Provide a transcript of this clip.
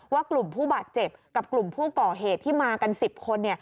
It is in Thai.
ว่ากลุ่มผู้บาดเจ็บกับกลุ่มผู้ก่อเหตุที่มากัน๑๐คน